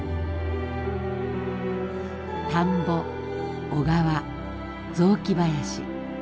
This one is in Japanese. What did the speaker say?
田んぼ小川雑木林。